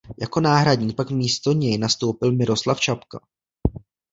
Jako náhradník pak místo něj nastoupil Miroslav Čapka.